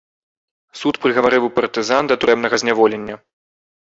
Суд прыгаварыў партызан да турэмнага зняволення.